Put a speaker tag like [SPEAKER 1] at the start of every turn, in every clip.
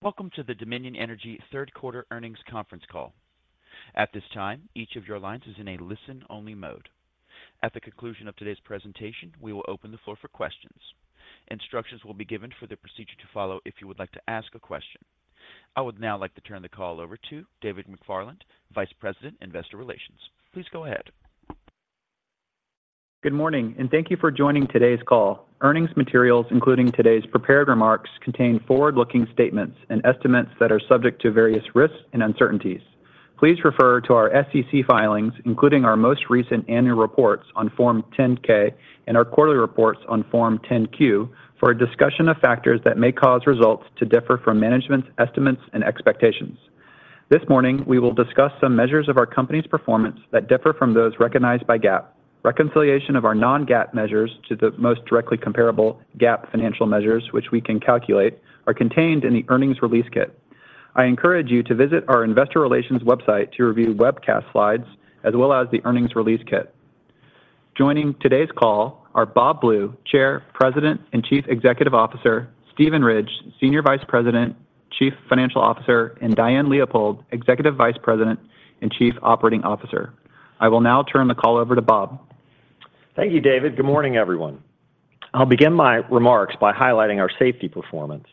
[SPEAKER 1] Welcome to the Dominion Energy Third Quarter Earnings Conference Call. At this time, each of your lines is in a listen-only mode. At the conclusion of today's presentation, we will open the floor for questions. Instructions will be given for the procedure to follow if you would like to ask a question. I would now like to turn the call over to David McFarland, Vice President, Investor Relations. Please go ahead.
[SPEAKER 2] Good morning, and thank you for joining today's call. Earnings materials, including today's prepared remarks, contain forward-looking statements and estimates that are subject to various risks and uncertainties. Please refer to our SEC filings, including our most recent annual reports on Form 10-K and our quarterly reports on Form 10-Q, for a discussion of factors that may cause results to differ from management's estimates and expectations. This morning, we will discuss some measures of our company's performance that differ from those recognized by GAAP. Reconciliation of our non-GAAP measures to the most directly comparable GAAP financial measures, which we can calculate, are contained in the earnings release kit. I encourage you to visit our Investor Relations website to review webcast slides as well as the earnings release kit. Joining today's call are Bob Blue, Chair, President, and Chief Executive Officer, Steven Ridge, Senior Vice President, Chief Financial Officer, and Diane Leopold, Executive Vice President and Chief Operating Officer. I will now turn the call over to Bob.
[SPEAKER 3] Thank you, David. Good morning, everyone. I'll begin my remarks by highlighting our safety performance.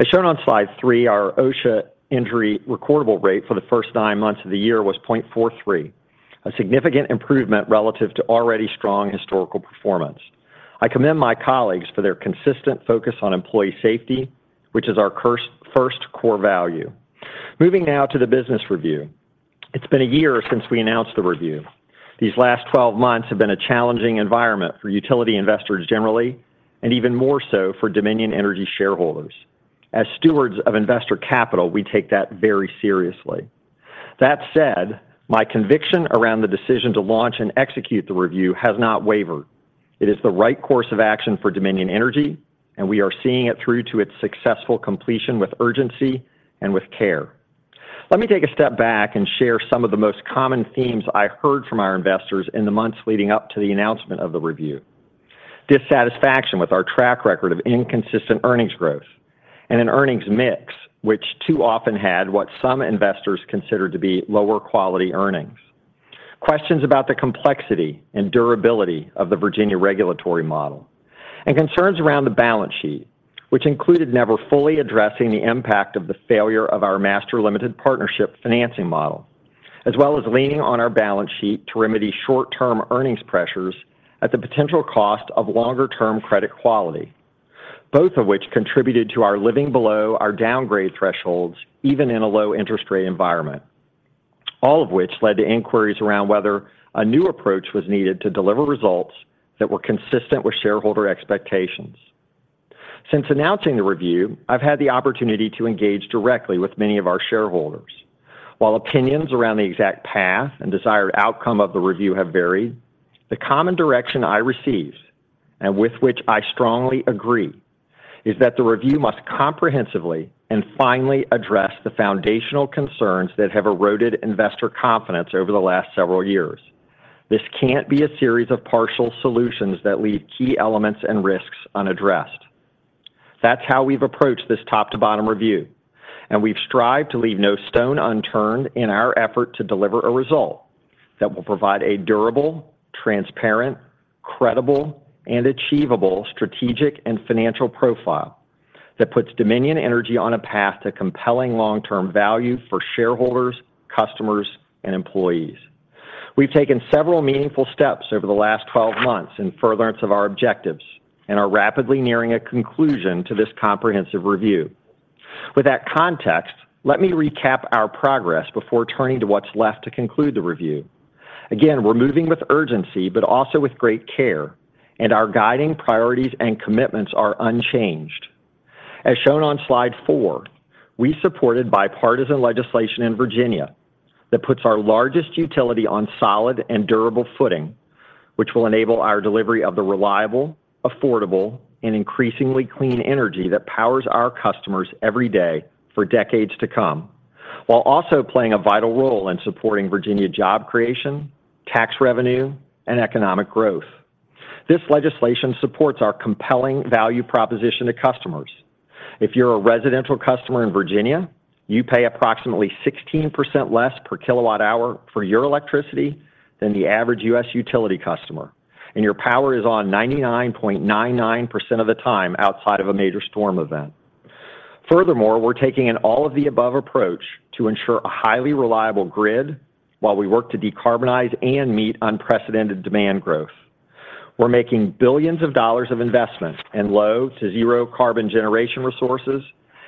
[SPEAKER 3] As shown on Slide three, our OSHA injury recordable rate for the first nine months of the year was 0.43, a significant improvement relative to already strong historical performance. I commend my colleagues for their consistent focus on employee safety, which is our first core value. Moving now to the business review. It's been a year since we announced the review. These last 12 months have been a challenging environment for utility investors generally, and even more so for Dominion Energy shareholders. As stewards of investor capital, we take that very seriously. That said, my conviction around the decision to launch and execute the review has not wavered. It is the right course of action for Dominion Energy, and we are seeing it through to its successful completion with urgency and with care. Let me take a step back and share some of the most common themes I heard from our investors in the months leading up to the announcement of the review. Dissatisfaction with our track record of inconsistent earnings growth and an earnings mix, which too often had what some investors considered to be lower quality earnings. Questions about the complexity and durability of the Virginia regulatory model, and concerns around the balance sheet, which included never fully addressing the impact of the failure of our master limited partnership financing model, as well as leaning on our balance sheet to remedy short-term earnings pressures at the potential cost of longer-term credit quality, both of which contributed to our living below our downgrade thresholds, even in a low interest rate environment, all of which led to inquiries around whether a new approach was needed to deliver results that were consistent with shareholder expectations. Since announcing the review, I've had the opportunity to engage directly with many of our shareholders. While opinions around the exact path and desired outcome of the review have varied, the common direction I receive, and with which I strongly agree, is that the review must comprehensively and finally address the foundational concerns that have eroded investor confidence over the last several years. This can't be a series of partial solutions that leave key elements and risks unaddressed. That's how we've approached this top-to-bottom review, and we've strived to leave no stone unturned in our effort to deliver a result that will provide a durable, transparent, credible, and achievable strategic and financial profile that puts Dominion Energy on a path to compelling long-term value for shareholders, customers, and employees. We've taken several meaningful steps over the last 12 months in furtherance of our objectives and are rapidly nearing a conclusion to this comprehensive review. With that context, let me recap our progress before turning to what's left to conclude the review. Again, we're moving with urgency, but also with great care, and our guiding priorities and commitments are unchanged. As shown on Slide four, we supported bipartisan legislation in Virginia that puts our largest utility on solid and durable footing, which will enable our delivery of the reliable, affordable, and increasingly clean energy that powers our customers every day for decades to come, while also playing a vital role in supporting Virginia job creation, tax revenue, and economic growth. This legislation supports our compelling value proposition to customers. If you're a residential customer in Virginia, you pay approximately 16% less per kilowatt hour for your electricity than the average U.S. utility customer, and your power is on 99.99% of the time outside of a major storm event. Furthermore, we're taking an all-of-the-above approach to ensure a highly reliable grid while we work to decarbonize and meet unprecedented demand growth. We're making $ billions of investment in low to zero carbon generation resources,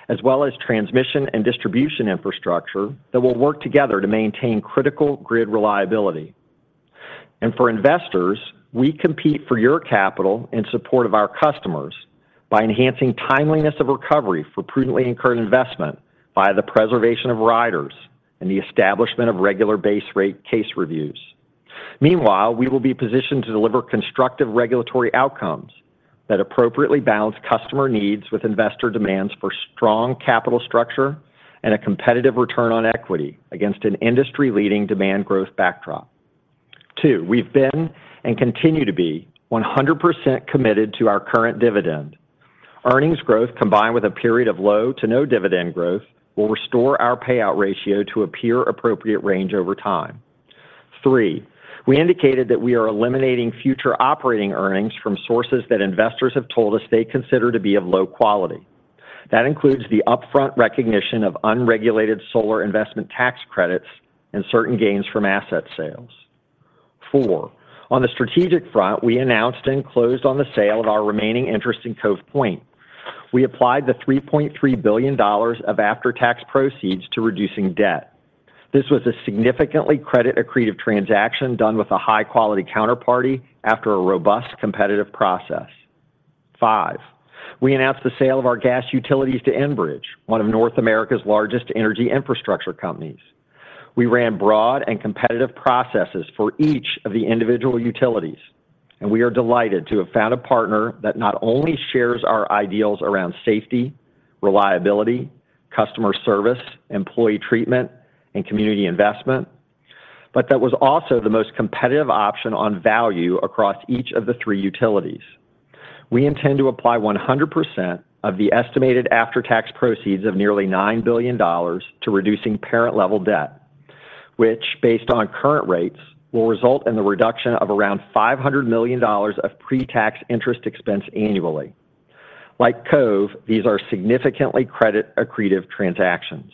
[SPEAKER 3] as well as transmission and distribution infrastructure that will work together to maintain critical grid reliability. And for investors, we compete for your capital in support of our customers by enhancing timeliness of recovery for prudently incurred investment via the preservation of riders and the establishment of regular base rate case reviews. Meanwhile, we will be positioned to deliver constructive regulatory outcomes that appropriately balance customer needs with investor demands for strong capital structure and a competitive return on equity against an industry-leading demand growth backdrop. Two, we've been and continue to be 100% committed to our current dividend. Earnings growth, combined with a period of low to no dividend growth, will restore our payout ratio to a peer-appropriate range over time. Three, we indicated that we are eliminating future operating earnings from sources that investors have told us they consider to be of low quality. That includes the upfront recognition of unregulated solar investment tax credits and certain gains from asset sales. Four, on the strategic front, we announced and closed on the sale of our remaining interest in Cove Point. We applied the $3.3 billion of after-tax proceeds to reducing debt. This was a significantly credit-accretive transaction done with a high-quality counterparty after a robust competitive process. Five, we announced the sale of our gas utilities to Enbridge, one of North America's largest energy infrastructure companies. We ran broad and competitive processes for each of the individual utilities, and we are delighted to have found a partner that not only shares our ideals around safety, reliability, customer service, employee treatment, and community investment, but that was also the most competitive option on value across each of the three utilities. We intend to apply 100% of the estimated after-tax proceeds of nearly $9 billion to reducing parent level debt, which, based on current rates, will result in the reduction of around $500 million of pre-tax interest expense annually. Like Cove, these are significantly credit-accretive transactions.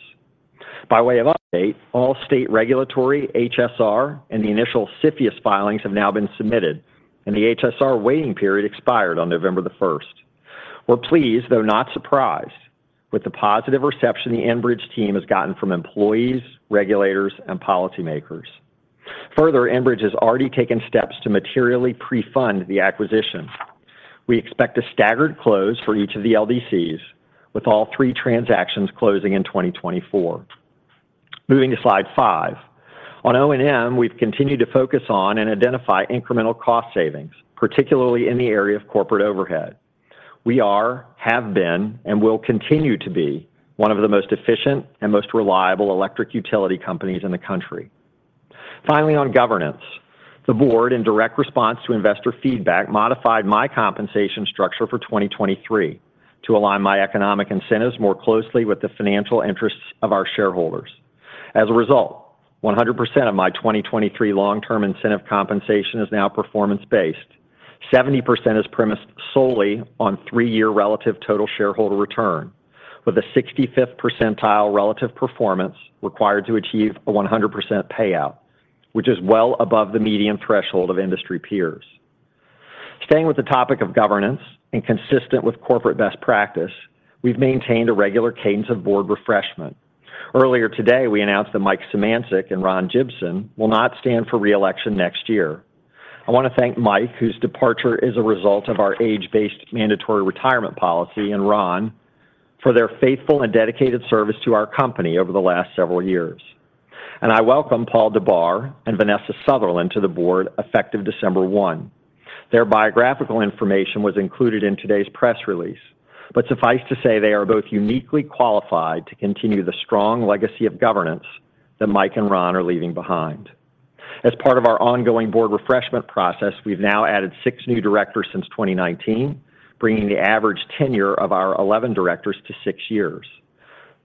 [SPEAKER 3] By way of update, all state regulatory HSR and the initial CFIUS filings have now been submitted, and the HSR waiting period expired on November 1. We're pleased, though not surprised, with the positive reception the Enbridge team has gotten from employees, regulators, and policymakers. Further, Enbridge has already taken steps to materially pre-fund the acquisition. We expect a staggered close for each of the LDCs, with all three transactions closing in 2024. Moving to Slide five. On O&M, we've continued to focus on and identify incremental cost savings, particularly in the area of corporate overhead. We are, have been, and will continue to be one of the most efficient and most reliable electric utility companies in the country. Finally, on governance, the board, in direct response to investor feedback, modified my compensation structure for 2023 to align my economic incentives more closely with the financial interests of our shareholders. As a result, 100% of my 2023 long-term incentive compensation is now performance-based. 70% is premised solely on 3-year relative total shareholder return, with a 65th percentile relative performance required to achieve a 100% payout, which is well above the median threshold of industry peers. Staying with the topic of governance and consistent with corporate best practice, we've maintained a regular cadence of board refreshment. Earlier today, we announced that Mike Szymanczyk and Ron Jibson will not stand for re-election next year. I want to thank Mike, whose departure is a result of our age-based mandatory retirement policy, and Ron, for their faithful and dedicated service to our company over the last several years. And I welcome Paul Dabbar and Vanessa Sutherland to the board, effective December 1. Their biographical information was included in today's press release, but suffice to say, they are both uniquely qualified to continue the strong legacy of governance that Mike and Ron are leaving behind. As part of our ongoing board refreshment process, we've now added six new directors since 2019, bringing the average tenure of our 11 directors to six years.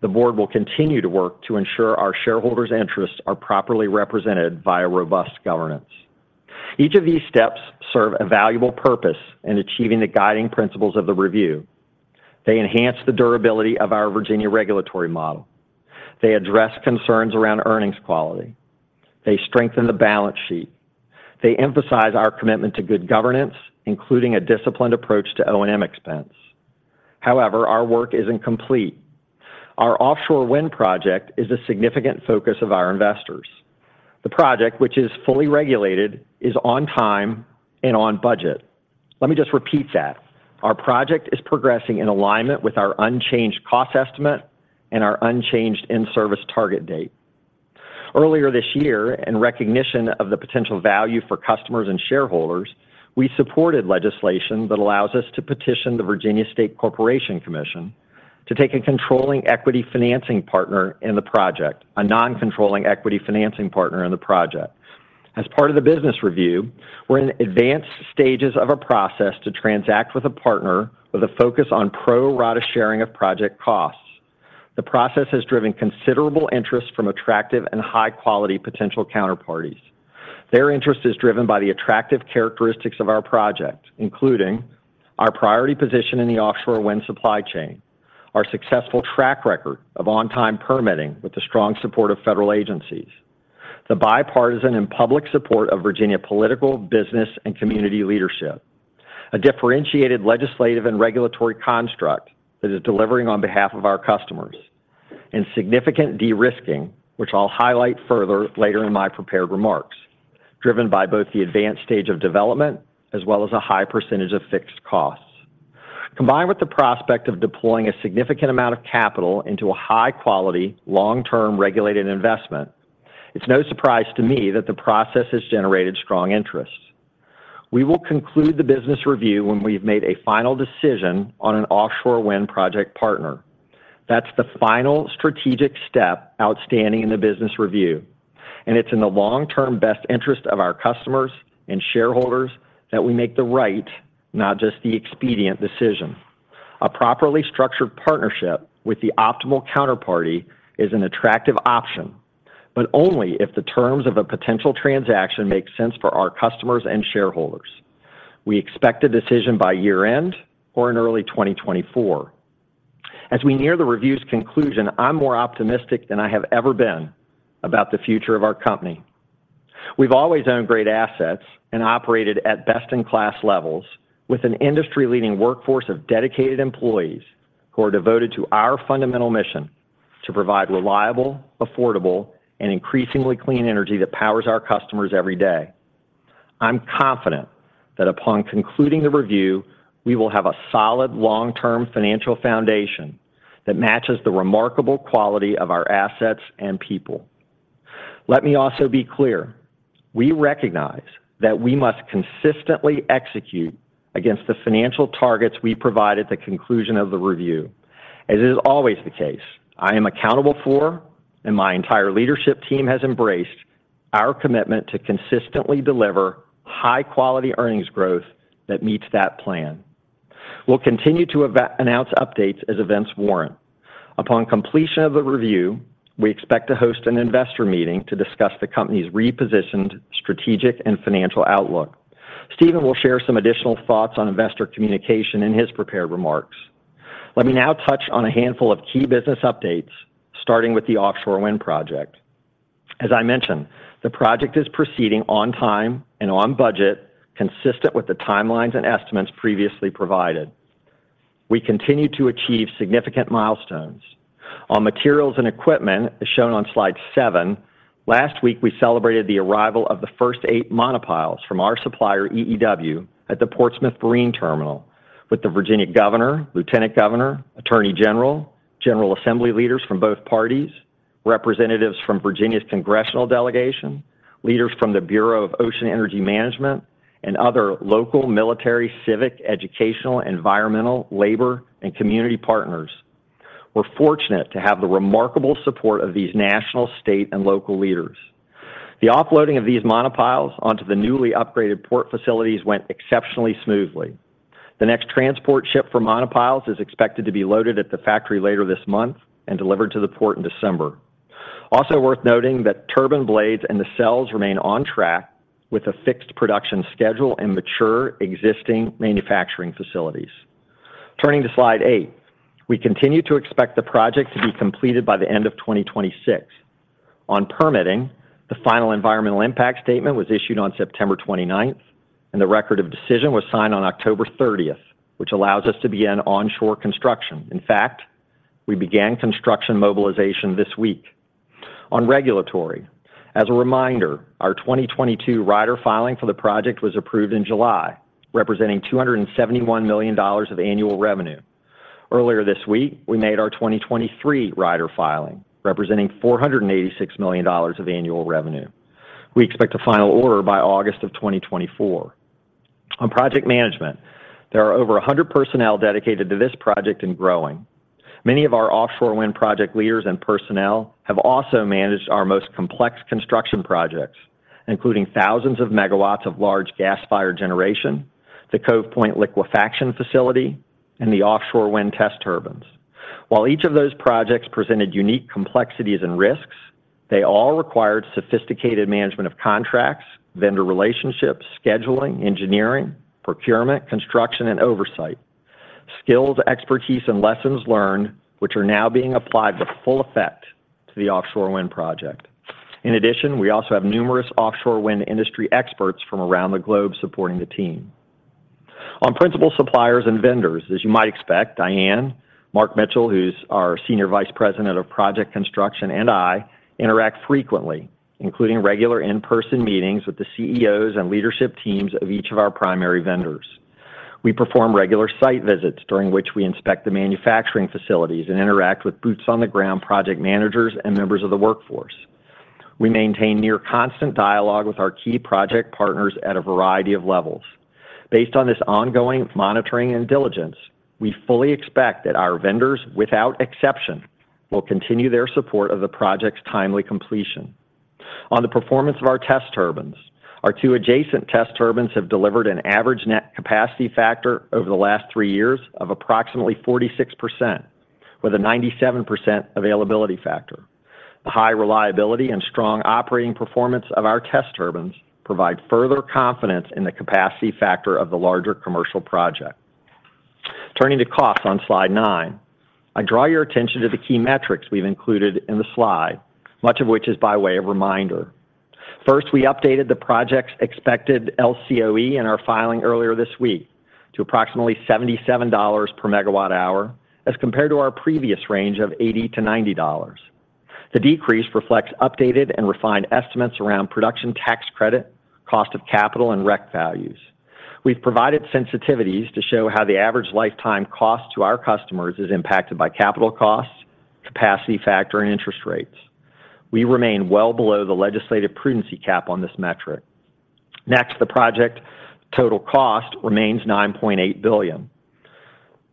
[SPEAKER 3] The board will continue to work to ensure our shareholders' interests are properly represented by a robust governance. Each of these steps serve a valuable purpose in achieving the guiding principles of the review. They enhance the durability of our Virginia regulatory model. They address concerns around earnings quality. They strengthen the balance sheet. They emphasize our commitment to good governance, including a disciplined approach to O&M expense. However, our work isn't complete. Our offshore wind project is a significant focus of our investors. The project, which is fully regulated, is on time and on budget. Let me just repeat that. Our project is progressing in alignment with our unchanged cost estimate and our unchanged in-service target date. Earlier this year, in recognition of the potential value for customers and shareholders, we supported legislation that allows us to petition the Virginia State Corporation Commission to take a controlling equity financing partner in the project, a non-controlling equity financing partner in the project. As part of the business review, we're in advanced stages of a process to transact with a partner with a focus on pro-rata sharing of project costs. The process has driven considerable interest from attractive and high-quality potential counterparties. Their interest is driven by the attractive characteristics of our project, including our priority position in the offshore wind supply chain, our successful track record of on-time permitting with the strong support of federal agencies, the bipartisan and public support of Virginia political, business, and community leadership, a differentiated legislative and regulatory construct that is delivering on behalf of our customers, and significant de-risking, which I'll highlight further later in my prepared remarks, driven by both the advanced stage of development as well as a high percentage of fixed costs. Combined with the prospect of deploying a significant amount of capital into a high-quality, long-term, regulated investment, it's no surprise to me that the process has generated strong interest.... We will conclude the business review when we've made a final decision on an offshore wind project partner. That's the final strategic step outstanding in the business review, and it's in the long-term best interest of our customers and shareholders that we make the right, not just the expedient decision. A properly structured partnership with the optimal counterparty is an attractive option, but only if the terms of a potential transaction make sense for our customers and shareholders. We expect a decision by year-end or in early 2024. As we near the review's conclusion, I'm more optimistic than I have ever been about the future of our company. We've always owned great assets and operated at best-in-class levels with an industry-leading workforce of dedicated employees who are devoted to our fundamental mission to provide reliable, affordable, and increasingly clean energy that powers our customers every day. I'm confident that upon concluding the review, we will have a solid, long-term financial foundation that matches the remarkable quality of our assets and people. Let me also be clear, we recognize that we must consistently execute against the financial targets we provide at the conclusion of the review. As is always the case, I am accountable for, and my entire leadership team has embraced our commitment to consistently deliver high-quality earnings growth that meets that plan. We'll continue to announce updates as events warrant. Upon completion of the review, we expect to host an investor meeting to discuss the company's repositioned strategic and financial outlook. Steven will share some additional thoughts on investor communication in his prepared remarks. Let me now touch on a handful of key business updates, starting with the offshore wind project. As I mentioned, the project is proceeding on time and on budget, consistent with the timelines and estimates previously provided. We continue to achieve significant milestones. On materials and equipment, as shown on Slide seven, last week, we celebrated the arrival of the first 8 monopiles from our supplier, EEW, at the Portsmouth Marine Terminal with the Virginia Governor, Lieutenant Governor, Attorney General, General Assembly leaders from both parties, representatives from Virginia's congressional delegation, leaders from the Bureau of Ocean Energy Management, and other local, military, civic, educational, environmental, labor, and community partners. We're fortunate to have the remarkable support of these national, state, and local leaders. The offloading of these monopiles onto the newly upgraded port facilities went exceptionally smoothly. The next transport ship for monopiles is expected to be loaded at the factory later this month and delivered to the port in December. Also worth noting that turbine blades and nacelles remain on track with a fixed production schedule and mature existing manufacturing facilities. Turning to Slide Seven. We continue to expect the project to be completed by the end of 2026. On permitting, the final Environmental Impact Statement was issued on September 29th, and the Record of Decision was signed on October 30th, which allows us to begin onshore construction. In fact, we began construction mobilization this week. On regulatory, as a reminder, our 2022 rider filing for the project was approved in July, representing $271 million of annual revenue. Earlier this week, we made our 2023 rider filing, representing $486 million of annual revenue. We expect a final order by August of 2024. On project management, there are over 100 personnel dedicated to this project and growing. Many of our offshore wind project leaders and personnel have also managed our most complex construction projects, including thousands of megawatts of large gas-fired generation, the Cove Point liquefaction facility, and the offshore wind test turbines. While each of those projects presented unique complexities and risks, they all required sophisticated management of contracts, vendor relationships, scheduling, engineering, procurement, construction, and oversight. Skills, expertise, and lessons learned, which are now being applied with full effect to the offshore wind project. In addition, we also have numerous offshore wind industry experts from around the globe supporting the team. On principal suppliers and vendors, as you might expect, Diane, Mark Mitchell, who's our Senior Vice President of Project Construction, and I interact frequently, including regular in-person meetings with the CEOs and leadership teams of each of our primary vendors. We perform regular site visits, during which we inspect the manufacturing facilities and interact with boots-on-the-ground project managers and members of the workforce. We maintain near constant dialogue with our key project partners at a variety of levels. Based on this ongoing monitoring and diligence, we fully expect that our vendors, without exception, will continue their support of the project's timely completion. On the performance of our test turbines, our 2 adjacent test turbines have delivered an average net capacity factor over the last 3 years of approximately 46%, with a 97% availability factor. The high reliability and strong operating performance of our test turbines provide further confidence in the capacity factor of the larger commercial project. Turning to costs on Slide nine, I draw your attention to the key metrics we've included in the slide, much of which is by way of reminder. First, we updated the project's expected LCOE in our filing earlier this week to approximately $77 per megawatt hour, as compared to our previous range of $80-$90. The decrease reflects updated and refined estimates around production tax credit, cost of capital, and REC values. We've provided sensitivities to show how the average lifetime cost to our customers is impacted by capital costs, capacity factor, and interest rates.... We remain well below the legislative prudency cap on this metric. Next, the project total cost remains $9.8 billion.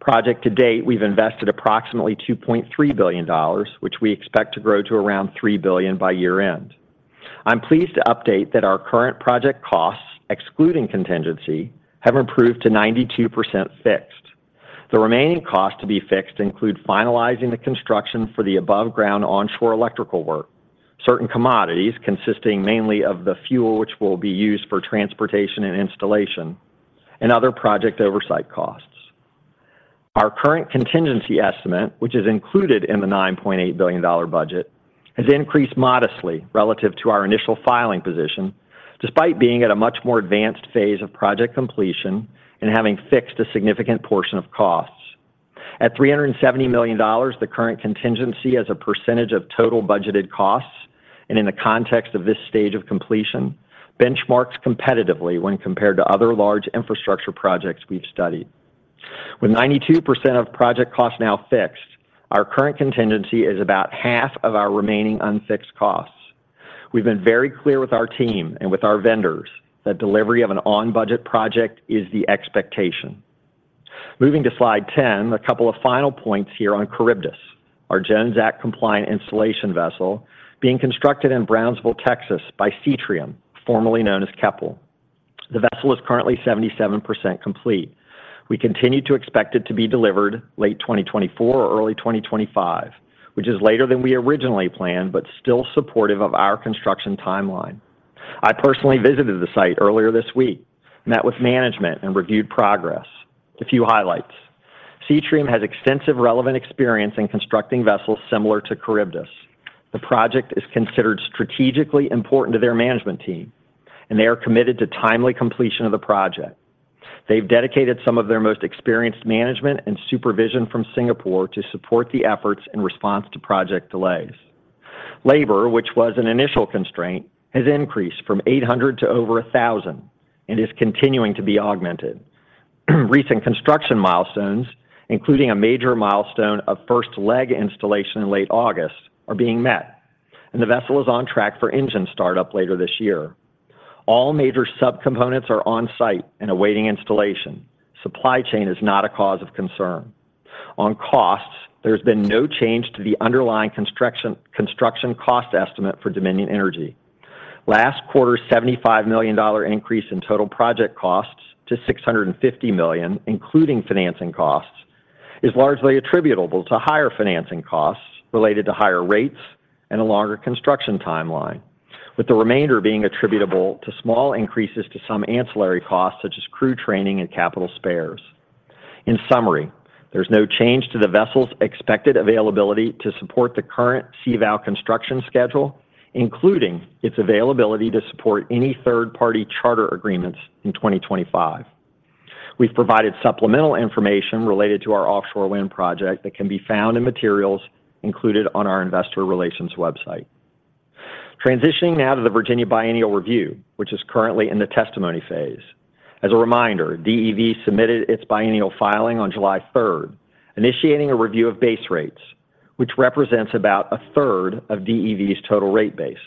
[SPEAKER 3] Project to date, we've invested approximately $2.3 billion, which we expect to grow to around $3 billion by year-end. I'm pleased to update that our current project costs, excluding contingency, have improved to 92% fixed. The remaining costs to be fixed include finalizing the construction for the above-ground onshore electrical work, certain commodities, consisting mainly of the fuel which will be used for transportation and installation, and other project oversight costs. Our current contingency estimate, which is included in the $9.8 billion budget, has increased modestly relative to our initial filing position, despite being at a much more advanced phase of project completion and having fixed a significant portion of costs. At $370 million, the current contingency as a percentage of total budgeted costs and in the context of this stage of completion, benchmarks competitively when compared to other large infrastructure projects we've studied. With 92% of project costs now fixed, our current contingency is about half of our remaining unfixed costs. We've been very clear with our team and with our vendors that delivery of an on-budget project is the expectation. Moving to Slide 10, a couple of final points here on Charybdis, our Jones Act-compliant installation vessel being constructed in Brownsville, Texas, by Seatrium, formerly known as Keppel. The vessel is currently 77% complete. We continue to expect it to be delivered late 2024 or early 2025, which is later than we originally planned, but still supportive of our construction timeline. I personally visited the site earlier this week, met with management, and reviewed progress. A few highlights: Seatrium has extensive relevant experience in constructing vessels similar to Charybdis. The project is considered strategically important to their management team, and they are committed to timely completion of the project. They've dedicated some of their most experienced management and supervision from Singapore to support the efforts in response to project delays. Labor, which was an initial constraint, has increased from 800 to over 1,000 and is continuing to be augmented. Recent construction milestones, including a major milestone of first leg installation in late August, are being met, and the vessel is on track for engine startup later this year. All major subcomponents are on-site and awaiting installation. Supply chain is not a cause of concern. On costs, there's been no change to the underlying construction, construction cost estimate for Dominion Energy. Last quarter's $75 million increase in total project costs to $650 million, including financing costs, is largely attributable to higher financing costs related to higher rates and a longer construction timeline, with the remainder being attributable to small increases to some ancillary costs, such as crew training and capital spares. In summary, there's no change to the vessel's expected availability to support the current CVOW construction schedule, including its availability to support any third-party charter agreements in 2025. We've provided supplemental information related to our offshore wind project that can be found in materials included on our investor relations website. Transitioning now to the Virginia Biennial Review, which is currently in the testimony phase. As a reminder, DEV submitted its biennial filing on July 3, initiating a review of base rates, which represents about a third of DEV's total rate base.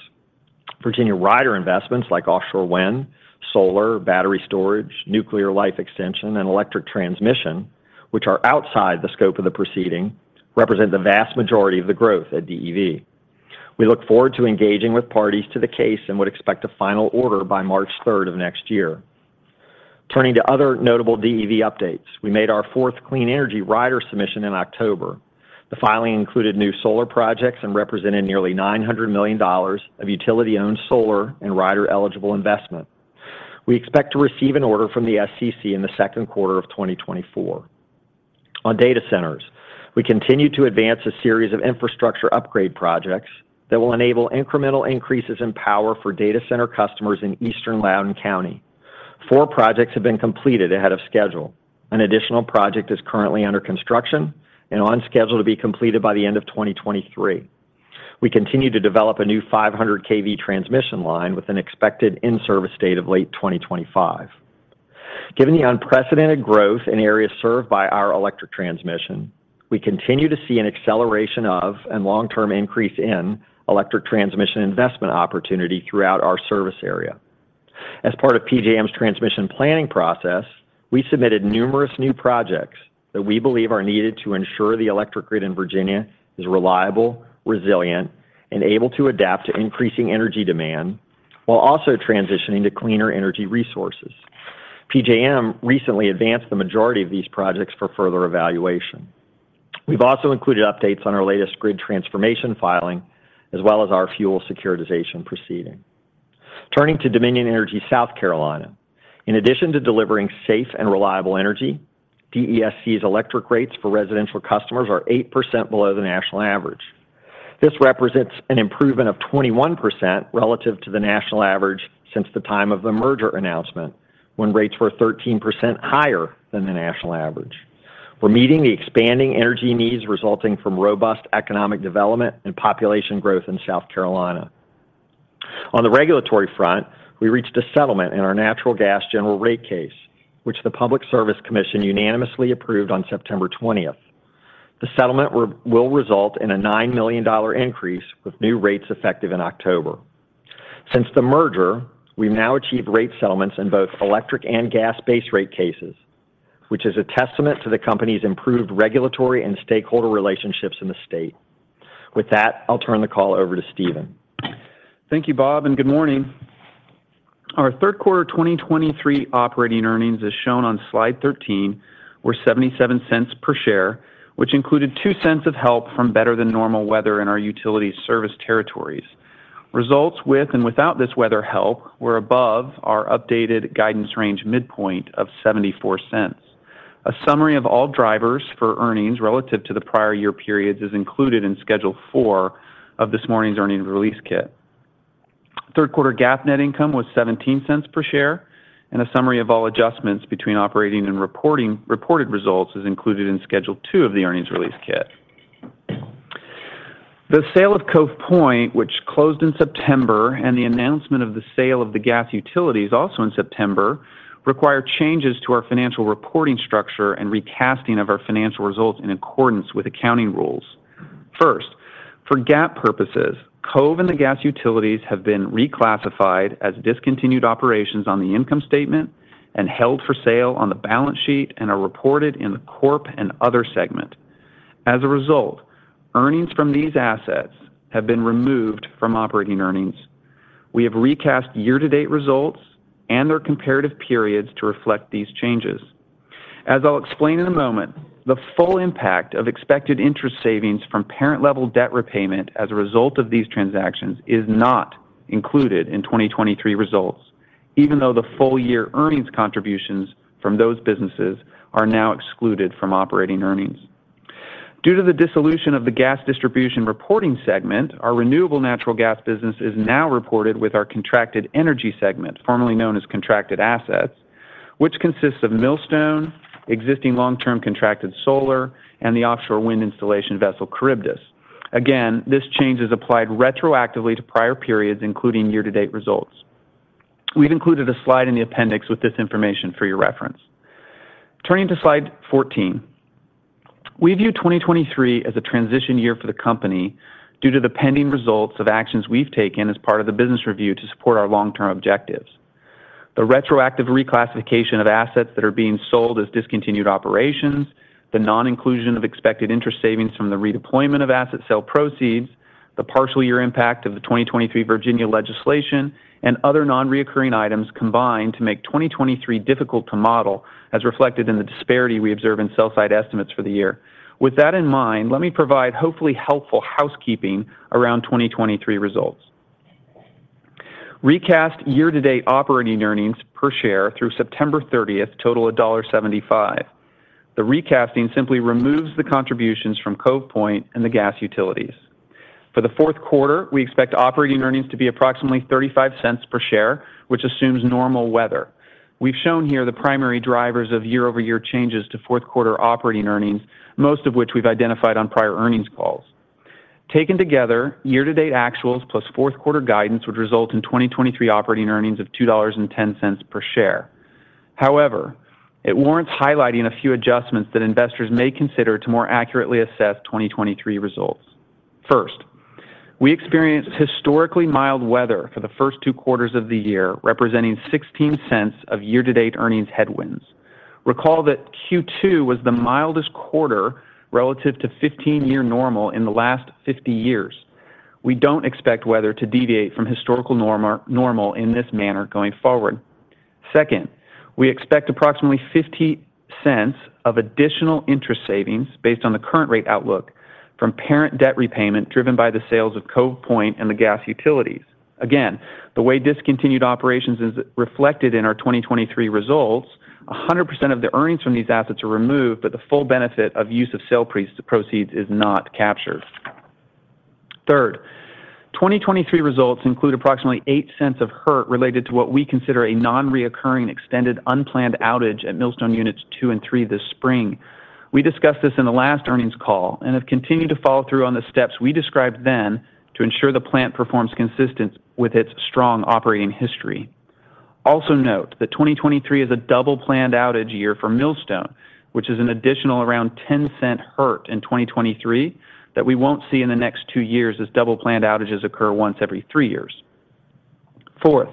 [SPEAKER 3] Virginia rider investments like offshore wind, solar, battery storage, nuclear life extension, and electric transmission, which are outside the scope of the proceeding, represent the vast majority of the growth at DEV. We look forward to engaging with parties to the case and would expect a final order by March 3 of next year. Turning to other notable DEV updates, we made our fourth clean energy rider submission in October. The filing included new solar projects and represented nearly $900 million of utility-owned solar and rider-eligible investment. We expect to receive an order from the SCC in the second quarter of 2024. On data centers, we continue to advance a series of infrastructure upgrade projects that will enable incremental increases in power for data center customers in Eastern Loudoun County. Four projects have been completed ahead of schedule. An additional project is currently under construction and on schedule to be completed by the end of 2023. We continue to develop a new 500 kV transmission line with an expected in-service date of late 2025. Given the unprecedented growth in areas served by our electric transmission, we continue to see an acceleration of and long-term increase in electric transmission investment opportunity throughout our service area. As part of PJM's transmission planning process, we submitted numerous new projects that we believe are needed to ensure the electric grid in Virginia is reliable, resilient, and able to adapt to increasing energy demand while also transitioning to cleaner energy resources. PJM recently advanced the majority of these projects for further evaluation. We've also included updates on our latest grid transformation filing, as well as our fuel securitization proceeding. Turning to Dominion Energy South Carolina. In addition to delivering safe and reliable energy, DESC's electric rates for residential customers are 8% below the national average. This represents an improvement of 21% relative to the national average since the time of the merger announcement, when rates were 13% higher than the national average. We're meeting the expanding energy needs resulting from robust economic development and population growth in South Carolina. On the regulatory front, we reached a settlement in our natural gas general rate case, which the Public Service Commission unanimously approved on September 20. The settlement will result in a $9 million increase, with new rates effective in October. Since the merger, we've now achieved rate settlements in both electric and gas-based rate cases, which is a testament to the company's improved regulatory and stakeholder relationships in the state. With that, I'll turn the call over to Steven.
[SPEAKER 4] Thank you, Bob, and good morning. Our third quarter 2023 operating earnings, as shown on Slide 13, were $0.77 per share, which included $0.02 of help from better than normal weather in our utility service territories. Results with and without this weather help were above our updated guidance range midpoint of $0.74. A summary of all drivers for earnings relative to the prior year periods is included in Schedule 4 of this morning's earnings release kit. Third quarter GAAP net income was $0.17 per share, and a summary of all adjustments between operating and reporting, reported results is included in Schedule 2 of the earnings release kit. The sale of Cove Point, which closed in September, and the announcement of the sale of the gas utilities also in September, require changes to our financial reporting structure and recasting of our financial results in accordance with accounting rules. First, for GAAP purposes, Cove and the gas utilities have been reclassified as discontinued operations on the income statement and held for sale on the balance sheet and are reported in the Corporate and Other segment. As a result, earnings from these assets have been removed from operating earnings. We have recast year-to-date results and their comparative periods to reflect these changes. As I'll explain in a moment, the full impact of expected interest savings from parent-level debt repayment as a result of these transactions is not included in 2023 results, even though the full year earnings contributions from those businesses are now excluded from operating earnings. Due to the dissolution of the Gas Distribution reporting segment, our renewable natural gas business is now reported with our Contracted Energy segment, formerly known as Contracted Assets, which consists of Millstone, existing long-term contracted solar, and the offshore wind installation vessel Charybdis. Again, this change is applied retroactively to prior periods, including year-to-date results. We've included a slide in the appendix with this information for your reference. Turning to Slide 14. We view 2023 as a transition year for the company due to the pending results of actions we've taken as part of the business review to support our long-term objectives. The retroactive reclassification of assets that are being sold as discontinued operations, the non-inclusion of expected interest savings from the redeployment of asset sale proceeds, the partial year impact of the 2023 Virginia legislation, and other non-recurring items combined to make 2023 difficult to model, as reflected in the disparity we observe in sell-side estimates for the year. With that in mind, let me provide hopefully helpful housekeeping around 2023 results. Recast year-to-date operating earnings per share through September 30 total $1.75. The recasting simply removes the contributions from Cove Point and the gas utilities. For the fourth quarter, we expect operating earnings to be approximately $0.35 per share, which assumes normal weather. We've shown here the primary drivers of year-over-year changes to fourth quarter operating earnings, most of which we've identified on prior earnings calls. Taken together, year-to-date actuals plus fourth quarter guidance would result in 2023 operating earnings of $2.10 per share. However, it warrants highlighting a few adjustments that investors may consider to more accurately assess 2023 results. First, we experienced historically mild weather for the first two quarters of the year, representing $0.16 of year-to-date earnings headwinds. Recall that Q2 was the mildest quarter relative to 15-year normal in the last 50 years. We don't expect weather to deviate from historical normal in this manner going forward. Second, we expect approximately $0.50 of additional interest savings based on the current rate outlook from parent debt repayment, driven by the sales of Cove Point and the gas utilities. Again, the way discontinued operations is reflected in our 2023 results, 100% of the earnings from these assets are removed, but the full benefit of use of sale proceeds is not captured. Third, 2023 results include approximately $0.08 of hit related to what we consider a nonrecurring, extended, unplanned outage at Millstone Units 2 and 3 this spring. We discussed this in the last earnings call and have continued to follow through on the steps we described then to ensure the plant performs consistent with its strong operating history. Also note that 2023 is a double-planned outage year for Millstone, which is an additional around $0.10 hurt in 2023 that we won't see in the next two years, as double-planned outages occur once every three years. Fourth,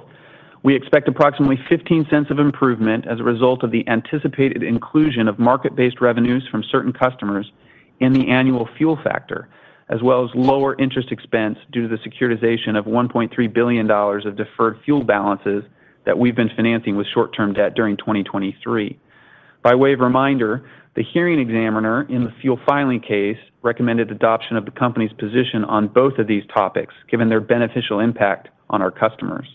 [SPEAKER 4] we expect approximately $0.15 of improvement as a result of the anticipated inclusion of market-based revenues from certain customers in the annual fuel factor, as well as lower interest expense due to the securitization of $1.3 billion of deferred fuel balances that we've been financing with short-term debt during 2023. By way of reminder, the hearing examiner in the fuel filing case recommended adoption of the company's position on both of these topics, given their beneficial impact on our customers.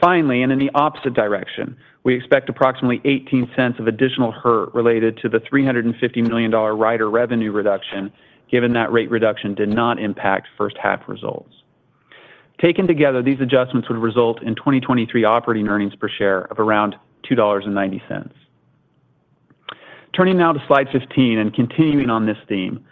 [SPEAKER 4] Finally, and in the opposite direction, we expect approximately 18 cents of additional hurt related to the $350 million rider revenue reduction, given that rate reduction did not impact first half results. Taken together, these adjustments would result in 2023 operating earnings per share of around $2.90.... Turning now to Slide 15 and continuing on this theme,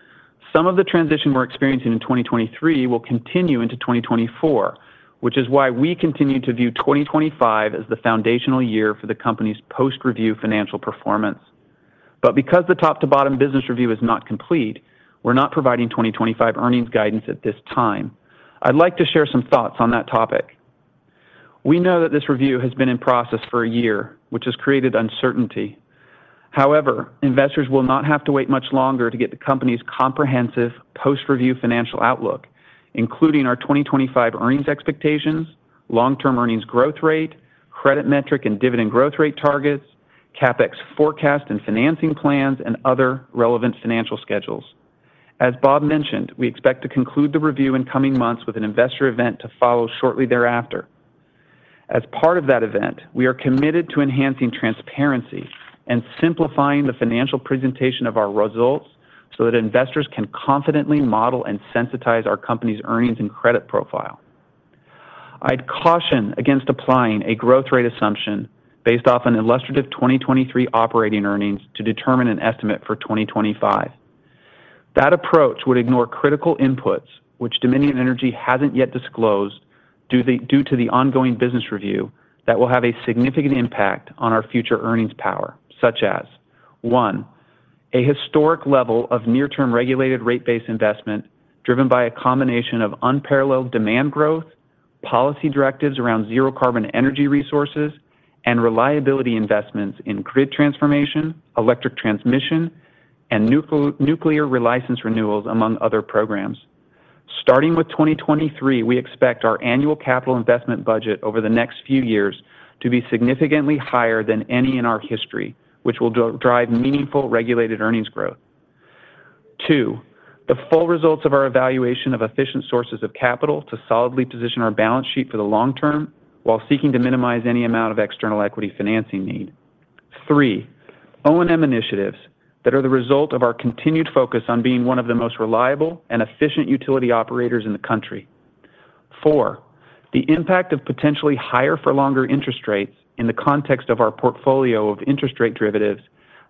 [SPEAKER 4] some of the transition we're experiencing in 2023 will continue into 2024, which is why we continue to view 2025 as the foundational year for the company's post-review financial performance. But because the top-to-bottom business review is not complete, we're not providing 2025 earnings guidance at this time. I'd like to share some thoughts on that topic. We know that this review has been in process for a year, which has created uncertainty. However, investors will not have to wait much longer to get the company's comprehensive post-review financial outlook, including our 2025 earnings expectations, long-term earnings growth rate, credit metric, and dividend growth rate targets, CapEx forecast and financing plans, and other relevant financial schedules. As Bob mentioned, we expect to conclude the review in coming months with an investor event to follow shortly thereafter. As part of that event, we are committed to enhancing transparency and simplifying the financial presentation of our results so that investors can confidently model and sensitize our company's earnings and credit profile. I'd caution against applying a growth rate assumption based off an illustrative 2023 operating earnings to determine an estimate for 2025. That approach would ignore critical inputs, which Dominion Energy hasn't yet disclosed due to the ongoing business review, that will have a significant impact on our future earnings power, such as, one, a historic level of near-term regulated rate-based investment driven by a combination of unparalleled demand growth, policy directives around zero carbon energy resources, and reliability investments in grid transformation, electric transmission, and nuclear license renewals, among other programs. Starting with 2023, we expect our annual capital investment budget over the next few years to be significantly higher than any in our history, which will drive meaningful regulated earnings growth. Two, the full results of our evaluation of efficient sources of capital to solidly position our balance sheet for the long term while seeking to minimize any amount of external equity financing need. Three. O&M initiatives that are the result of our continued focus on being one of the most reliable and efficient utility operators in the country. Four, the impact of potentially higher for longer interest rates in the context of our portfolio of interest rate derivatives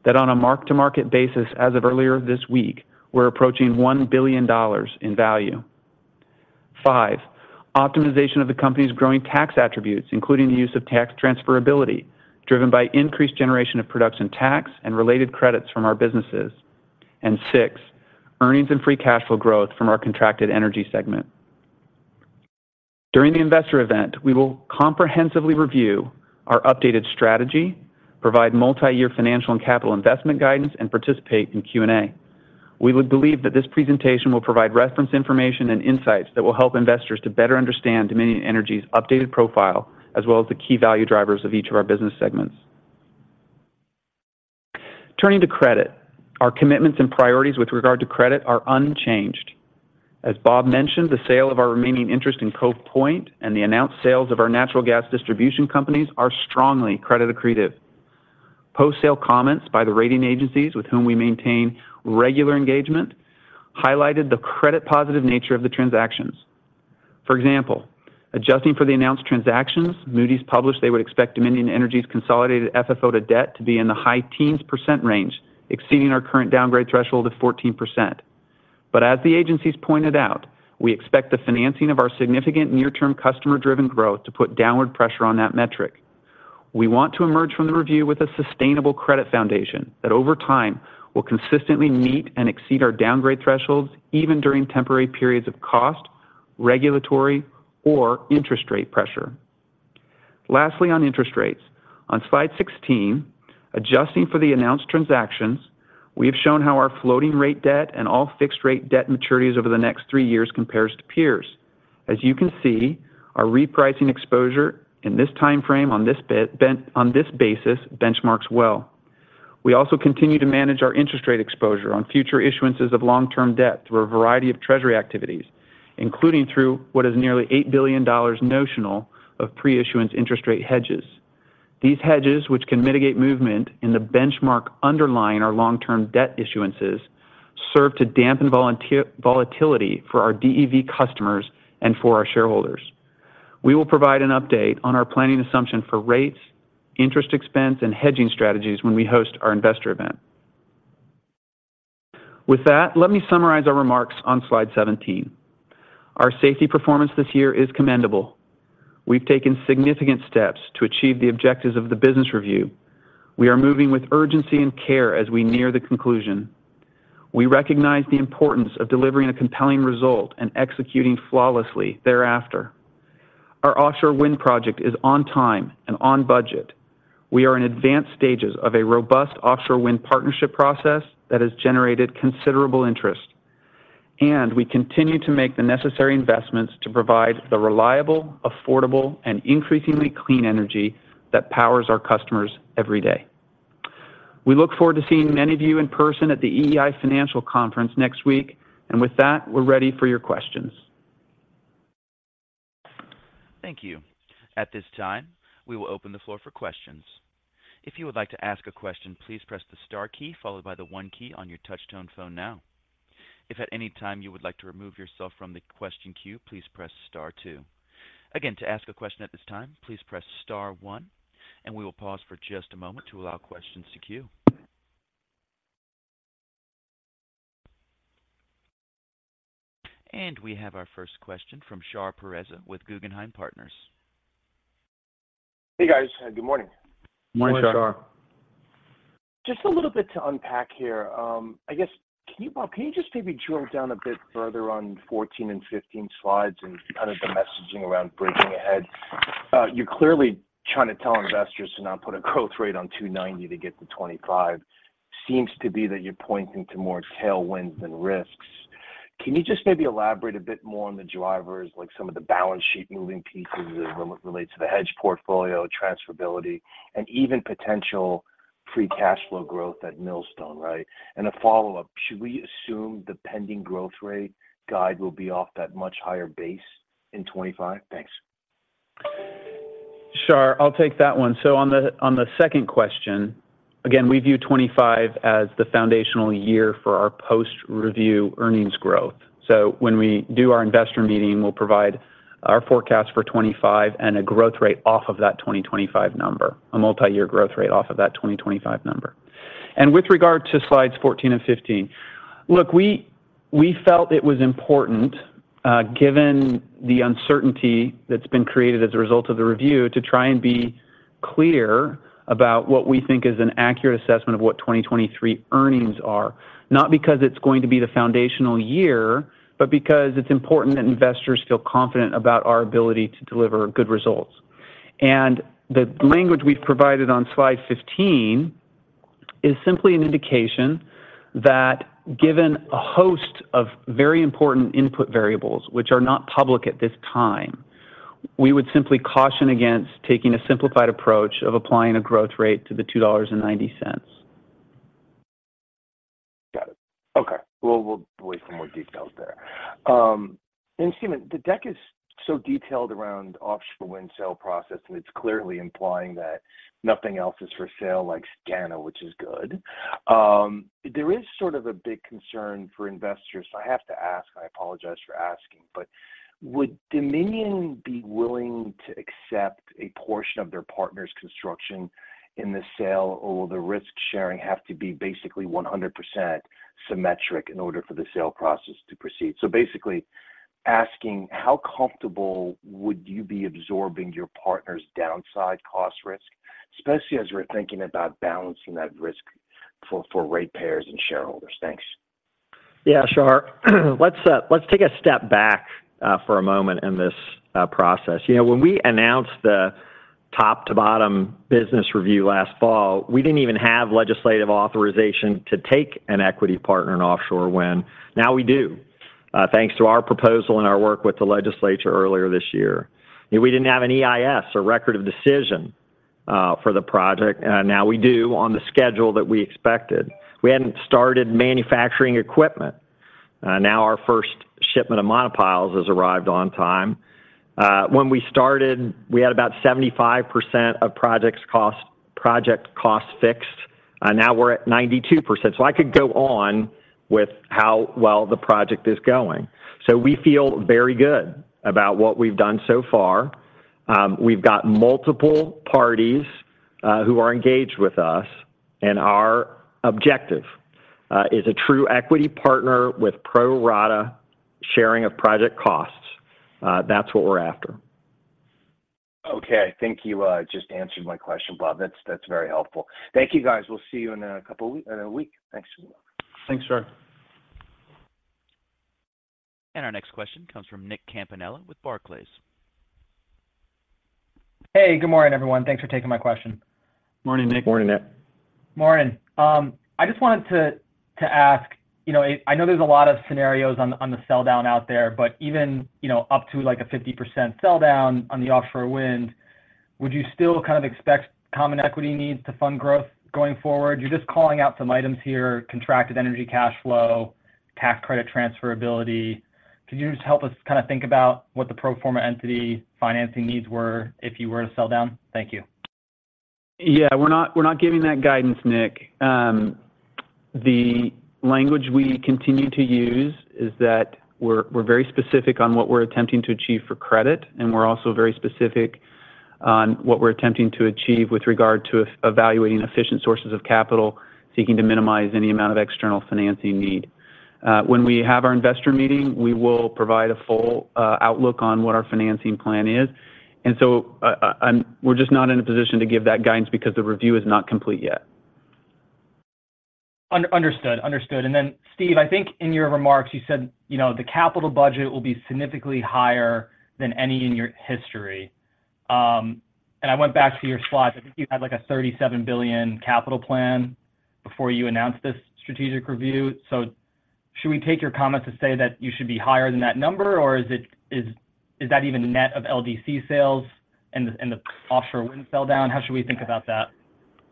[SPEAKER 4] that on a mark-to-market basis, as of earlier this week, we're approaching $1 billion in value. Five, optimization of the company's growing tax attributes, including the use of tax transferability, driven by increased generation of production tax and related credits from our businesses. And six, earnings and free cash flow growth from our Contracted Energy segment. During the investor event, we will comprehensively review our updated strategy, provide multi-year financial and capital investment guidance, and participate in Q&A. We would believe that this presentation will provide reference information and insights that will help investors to better understand Dominion Energy's updated profile, as well as the key value drivers of each of our business segments. Turning to credit, our commitments and priorities with regard to credit are unchanged. As Bob mentioned, the sale of our remaining interest in Cove Point and the announced sales of our natural Gas Distribution companies are strongly credit accretive. Post-sale comments by the rating agencies with whom we maintain regular engagement highlighted the credit-positive nature of the transactions. For example, adjusting for the announced transactions, Moody's published they would expect Dominion Energy's consolidated FFO to Debt to be in the high teens % range, exceeding our current downgrade threshold of 14%. But as the agencies pointed out, we expect the financing of our significant near-term customer-driven growth to put downward pressure on that metric. We want to emerge from the review with a sustainable credit foundation that over time will consistently meet and exceed our downgrade thresholds, even during temporary periods of cost, regulatory, or interest rate pressure. Lastly, on interest rates. On Slide 16, adjusting for the announced transactions, we have shown how our floating rate debt and all fixed rate debt maturities over the next three years compares to peers. As you can see, our repricing exposure in this time frame, on this basis, benchmarks well. We also continue to manage our interest rate exposure on future issuances of long-term debt through a variety of treasury activities, including through what is nearly $8 billion notional of pre-issuance interest rate hedges. These hedges, which can mitigate movement in the benchmark underlying our long-term debt issuances, serve to dampen volatility for our DEV customers and for our shareholders. We will provide an update on our planning assumption for rates, interest expense, and hedging strategies when we host our investor event. With that, let me summarize our remarks on Slide 17. Our safety performance this year is commendable. We've taken significant steps to achieve the objectives of the business review. We are moving with urgency and care as we near the conclusion. We recognize the importance of delivering a compelling result and executing flawlessly thereafter. Our offshore wind project is on time and on budget. We are in advanced stages of a robust offshore wind partnership process that has generated considerable interest, and we continue to make the necessary investments to provide the reliable, affordable, and increasingly clean energy that powers our customers every day. We look forward to seeing many of you in person at the EEI Financial Conference next week. With that, we're ready for your questions.
[SPEAKER 1] Thank you. At this time, we will open the floor for questions. If you would like to ask a question, please press the star key followed by the one key on your touchtone phone now.... If at any time you would like to remove yourself from the question queue, please press star two. Again, to ask a question at this time, please press star one, and we will pause for just a moment to allow questions to queue. And we have our first question from Shar Pourreza with Guggenheim Partners.
[SPEAKER 5] Hey, guys. Good morning.
[SPEAKER 4] Morning, Shar.
[SPEAKER 5] Just a little bit to unpack here. I guess, can you, Bob, can you just maybe drill down a bit further on 14 and 15 slides and kind of the messaging around breaking ahead? You're clearly trying to tell investors to not put a growth rate on 2.90 to get to 25. Seems to be that you're pointing to more tailwinds than risks. Can you just maybe elaborate a bit more on the drivers, like some of the balance sheet moving pieces as it relates to the hedge portfolio, transferability, and even potential free cash flow growth at Millstone, right? And a follow-up: Should we assume the pending growth rate guide will be off that much higher base in 2025? Thanks.
[SPEAKER 3] Shar, I'll take that one. So on the, on the second question, again, we view 25 as the foundational year for our post-review earnings growth. So when we do our investor meeting, we'll provide our forecast for 25 and a growth rate off of that 2025 number, a multiyear growth rate off of that 2025 number. And with regard to Slides 14 and 15, look, we, we felt it was important, given the uncertainty that's been created as a result of the review, to try and be clear about what we think is an accurate assessment of what 2023 earnings are, not because it's going to be the foundational year, but because it's important that investors feel confident about our ability to deliver good results. The language we've provided on slide 15 is simply an indication that given a host of very important input variables, which are not public at this time, we would simply caution against taking a simplified approach of applying a growth rate to the $2.90.
[SPEAKER 5] Got it. Okay. Well, we'll wait for more details there. And Steven, the deck is so detailed around offshore wind sale process, and it's clearly implying that nothing else is for sale like SCANA, which is good. There is sort of a big concern for investors, so I have to ask. I apologize for asking, but would Dominion be willing to accept a portion of their partner's construction in the sale, or will the risk-sharing have to be basically 100% symmetric in order for the sale process to proceed? So basically asking, how comfortable would you be absorbing your partner's downside cost risk, especially as we're thinking about balancing that risk for rate payers and shareholders? Thanks.
[SPEAKER 4] Yeah, Shar, let's, let's take a step back, for a moment in this, process. You know, when we announced the top-to-bottom business review last fall, we didn't even have legislative authorization to take an equity partner in offshore wind. Now we do, thanks to our proposal and our work with the legislature earlier this year. We didn't have an EIS or Record of Decision, for the project, now we do on the schedule that we expected. We hadn't started manufacturing equipment, now our first shipment of monopiles has arrived on time. When we started, we had about 75% of project costs fixed, now we're at 92%. So I could go on with how well the project is going. So we feel very good about what we've done so far. We've got multiple parties who are engaged with us, and our objective is a true equity partner with pro rata sharing of project costs. That's what we're after.
[SPEAKER 5] Okay, thank you. You just answered my question, Bob. That's, that's very helpful. Thank you, guys. We'll see you in a couple weeks, in a week. Thanks.
[SPEAKER 3] Thanks, Shar.
[SPEAKER 1] Our next question comes from Nick Campanella with Barclays.
[SPEAKER 6] Hey, good morning, everyone. Thanks for taking my question.
[SPEAKER 4] Morning, Nick.
[SPEAKER 3] Morning, Nick.
[SPEAKER 6] Morning. I just wanted to ask, you know, I know there's a lot of scenarios on the, on the sell down out there, but even, you know, up to, like, a 50% sell down on the offshore wind, would you still kind of expect common equity needs to fund growth going forward? You're just calling out some items here, Contracted Energy cash flow, tax credit transferability. Could you just help us kind of think about what the pro forma entity financing needs were if you were to sell down? Thank you.
[SPEAKER 3] Yeah, we're not giving that guidance, Nick. The language we continue to use is that we're very specific on what we're attempting to achieve for credit, and we're also very specific on what we're attempting to achieve with regard to evaluating efficient sources of capital, seeking to minimize any amount of external financing need. When we have our investor meeting, we will provide a full outlook on what our financing plan is, and so we're just not in a position to give that guidance because the review is not complete yet.
[SPEAKER 6] Understood. Understood. Then, Steve, I think in your remarks, you said, you know, the capital budget will be significantly higher than any in your history. And I went back to your slides. I think you had, like, a $37 billion capital plan before you announced this strategic review. So should we take your comments to say that you should be higher than that number, or is it, is that even net of LDC sales and the, and the offshore wind sell down? How should we think about that?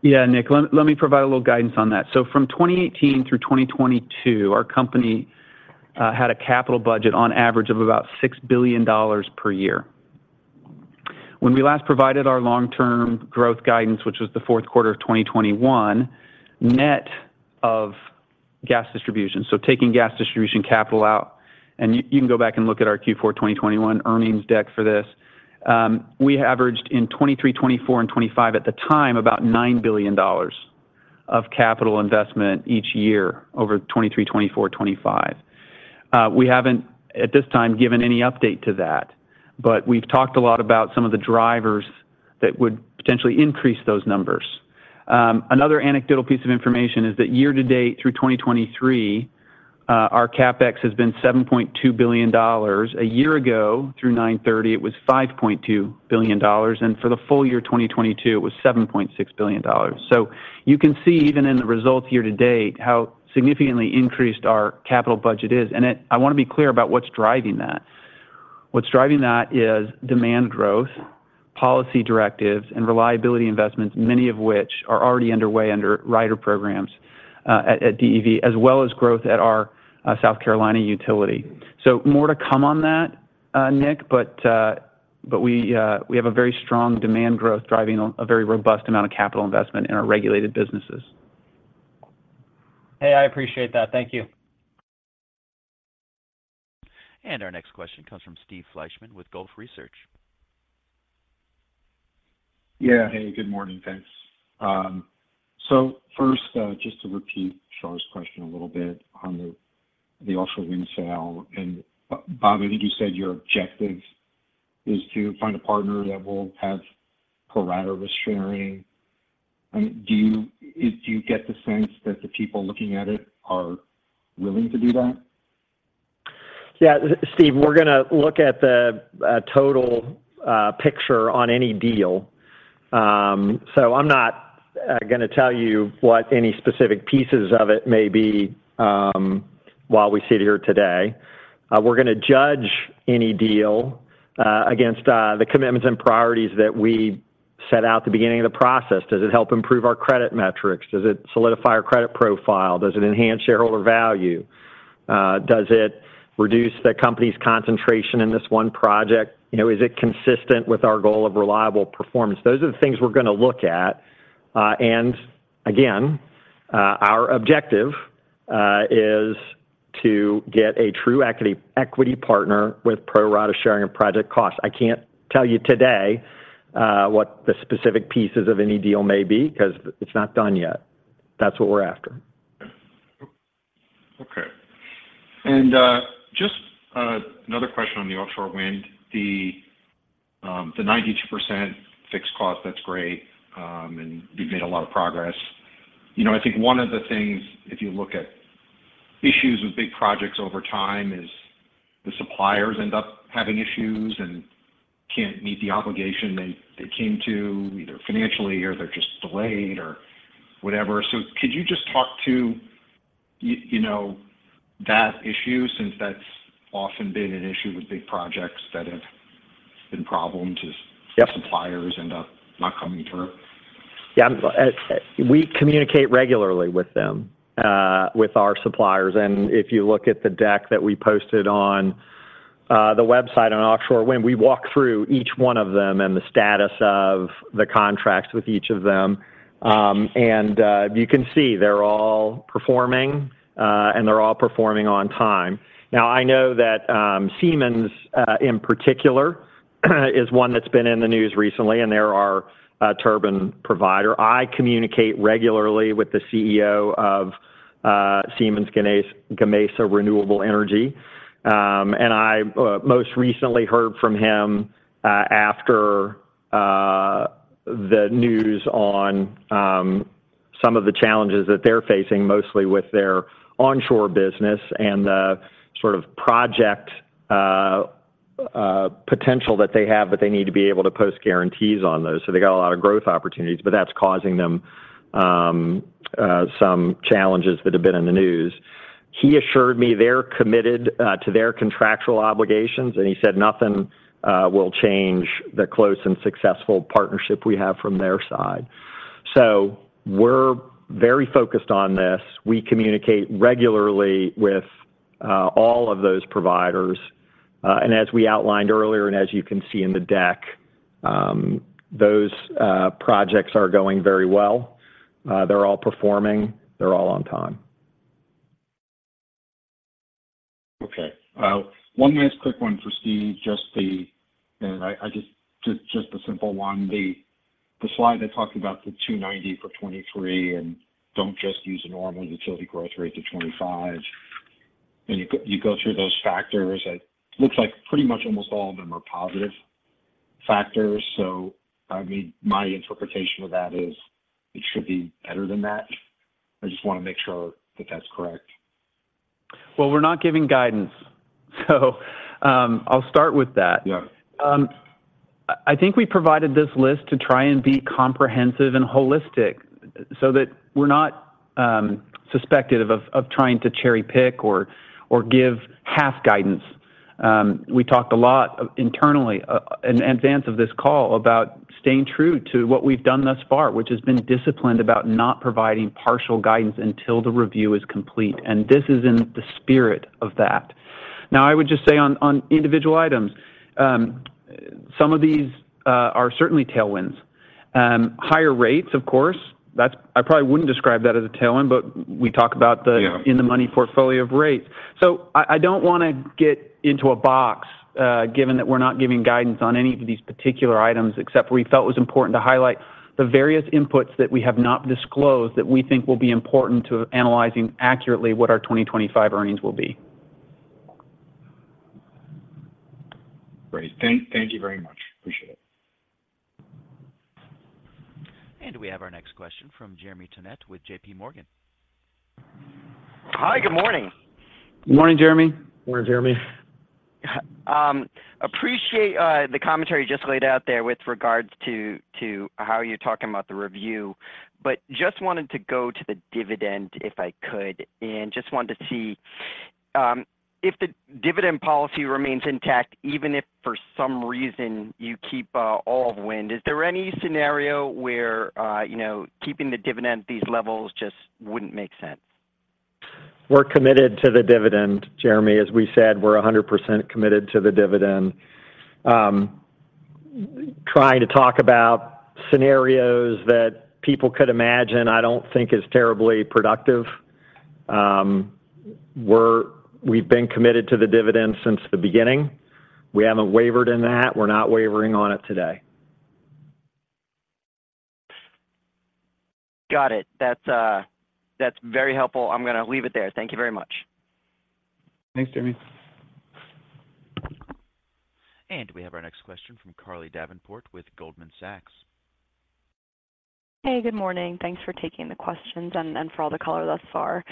[SPEAKER 4] Yeah, Nick, let me provide a little guidance on that. So from 2018 through 2022, our company had a capital budget on average of about $6 billion per year. When we last provided our long-term growth guidance, which was the fourth quarter of 2021, net of Gas Distribution, so taking Gas Distribution capital out, and you can go back and look at our Q4 2021 earnings deck for this. We averaged in 2023, 2024, and 2025 at the time, about $9 billion of capital investment each year over 2023, 2024, 2025. We haven't, at this time, given any update to that, but we've talked a lot about some of the drivers that would potentially increase those numbers. Another anecdotal piece of information is that year to date through 2023, our CapEx has been $7.2 billion. A year ago, through 9/30, it was $5.2 billion, and for the full year 2022, it was $7.6 billion. So you can see, even in the results year to date, how significantly increased our capital budget is. And it—I want to be clear about what's driving that. What's driving that is demand growth, policy directives, and reliability investments, many of which are already underway under rider programs at DEV, as well as growth at our South Carolina utility. So more to come on that, Nick, but we have a very strong demand growth driving a very robust amount of capital investment in our regulated businesses.
[SPEAKER 6] Hey, I appreciate that. Thank you.
[SPEAKER 1] Our next question comes from Steve Fleischmann with Wolfe Research.
[SPEAKER 7] Yeah. Hey, good morning, thanks. So first, just to repeat Shar's question a little bit on the offshore wind sale, and Bob, I think you said your objective is to find a partner that will have pro rata risk sharing. I mean, do you get the sense that the people looking at it are willing to do that?
[SPEAKER 3] Yeah, Steve, we're going to look at the total picture on any deal. So I'm not going to tell you what any specific pieces of it may be while we sit here today. We're going to judge any deal against the commitments and priorities that we set out at the beginning of the process. Does it help improve our credit metrics? Does it solidify our credit profile? Does it enhance shareholder value? Does it reduce the company's concentration in this one project? You know, is it consistent with our goal of reliable performance? Those are the things we're going to look at. And again, our objective is to get a true equity equity partner with pro rata sharing of project costs. I can't tell you today, what the specific pieces of any deal may be, because it's not done yet. That's what we're after.
[SPEAKER 7] Okay. And just another question on the offshore wind. The 92% fixed cost, that's great, and you've made a lot of progress. You know, I think one of the things, if you look at issues with big projects over time, is the suppliers end up having issues and can't meet the obligation they came to, either financially or they're just delayed or whatever. So could you just talk to you know, that issue, since that's often been an issue with big projects that have been a problem, just-
[SPEAKER 4] Yep
[SPEAKER 7] suppliers end up not coming through?
[SPEAKER 3] Yeah, we communicate regularly with them, with our suppliers, and if you look at the deck that we posted on, the website on offshore wind, we walk through each one of them and the status of the contracts with each of them. And, you can see they're all performing, and they're all performing on time. Now, I know that, Siemens, in particular, is one that's been in the news recently, and they're our turbine provider. I communicate regularly with the CEO of Siemens Gamesa Renewable Energy. And I most recently heard from him after the news on some of the challenges that they're facing, mostly with their onshore business and the sort of project potential that they have, but they need to be able to post guarantees on those. So they got a lot of growth opportunities, but that's causing them some challenges that have been in the news. He assured me they're committed to their contractual obligations, and he said nothing will change the close and successful partnership we have from their side. So we're very focused on this. We communicate regularly with all of those providers, and as we outlined earlier, and as you can see in the deck, those projects are going very well. They're all performing, they're all on time.
[SPEAKER 7] Okay. One last quick one for Steve, just the and I just a simple one. The slide that talked about the 2.90 for 2023 and don't just use a normal utility growth rate to 25, and you go through those factors, it looks like pretty much almost all of them are positive factors. So I mean, my interpretation of that is it should be better than that. I just want to make sure that that's correct.
[SPEAKER 4] Well, we're not giving guidance, so, I'll start with that.
[SPEAKER 7] Yes.
[SPEAKER 4] I think we provided this list to try and be comprehensive and holistic, so that we're not suspected of trying to cherry-pick or give half guidance. We talked a lot internally in advance of this call about staying true to what we've done thus far, which has been disciplined about not providing partial guidance until the review is complete. This is in the spirit of that.... Now, I would just say on individual items, some of these are certainly tailwinds. Higher rates, of course, that's—I probably wouldn't describe that as a tailwind, but we talk about the-
[SPEAKER 7] Yeah
[SPEAKER 4] in the money portfolio of rates. So I, I don't wanna get into a box, given that we're not giving guidance on any of these particular items, except we felt it was important to highlight the various inputs that we have not disclosed, that we think will be important to analyzing accurately what our 2025 earnings will be.
[SPEAKER 7] Great. Thank you very much. Appreciate it.
[SPEAKER 1] We have our next question from Jeremy Tonet with JPMorgan.
[SPEAKER 8] Hi, good morning.
[SPEAKER 4] Morning, Jeremy.
[SPEAKER 3] Morning, Jeremy.
[SPEAKER 8] Appreciate the commentary you just laid out there with regards to how you're talking about the review. But just wanted to go to the dividend, if I could, and just wanted to see if the dividend policy remains intact, even if for some reason you keep all of wind. Is there any scenario where you know, keeping the dividend at these levels just wouldn't make sense?
[SPEAKER 3] We're committed to the dividend, Jeremy. As we said, we're 100% committed to the dividend. Trying to talk about scenarios that people could imagine, I don't think is terribly productive. We've been committed to the dividend since the beginning. We haven't wavered in that. We're not wavering on it today.
[SPEAKER 8] Got it. That's, that's very helpful. I'm gonna leave it there. Thank you very much.
[SPEAKER 4] Thanks, Jeremy.
[SPEAKER 1] We have our next question from Carly Davenport with Goldman Sachs.
[SPEAKER 9] Hey, good morning. Thanks for taking the questions and for all the color thus far.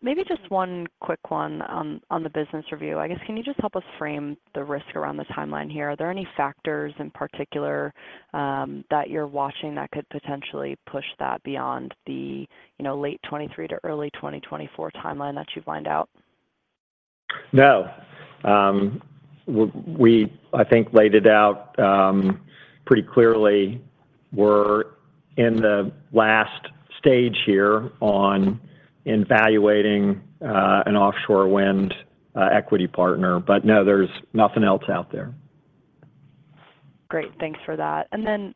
[SPEAKER 9] Maybe just one quick one on the business review. I guess, can you just help us frame the risk around the timeline here? Are there any factors in particular that you're watching that could potentially push that beyond the, you know, late 2023 to early 2024 timeline that you've lined out?
[SPEAKER 3] No. We, I think, laid it out pretty clearly. We're in the last stage here on evaluating an offshore wind equity partner. But no, there's nothing else out there.
[SPEAKER 9] Great. Thanks for that. And then,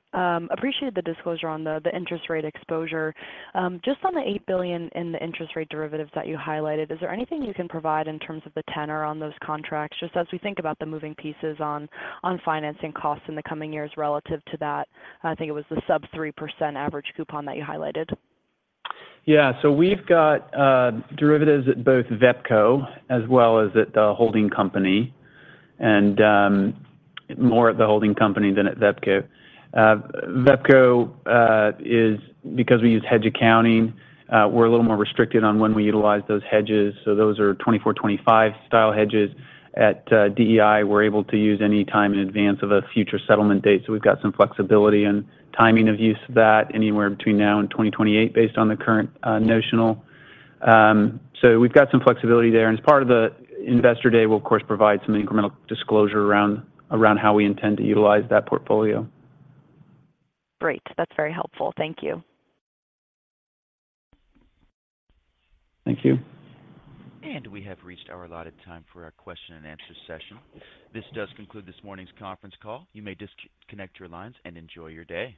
[SPEAKER 9] appreciate the disclosure on the, the interest rate exposure. Just on the $8 billion in the interest rate derivatives that you highlighted, is there anything you can provide in terms of the tenor on those contracts? Just as we think about the moving pieces on, on financing costs in the coming years relative to that, I think it was the sub-3% average coupon that you highlighted.
[SPEAKER 4] Yeah. So we've got derivatives at both VEPCO as well as at the holding company, and more at the holding company than at VEPCO. VEPCO is because we use hedge accounting, we're a little more restricted on when we utilize those hedges, so those are 2024, 2025 style hedges. At DEI, we're able to use any time in advance of a future settlement date, so we've got some flexibility and timing of use of that, anywhere between now and 2028, based on the current notional. So we've got some flexibility there, and as part of the investor day, we'll, of course, provide some incremental disclosure around, around how we intend to utilize that portfolio.
[SPEAKER 9] Great. That's very helpful. Thank you.
[SPEAKER 4] Thank you.
[SPEAKER 1] We have reached our allotted time for our question and answer session. This does conclude this morning's conference call. You may disconnect your lines and enjoy your day.